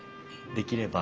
できれば。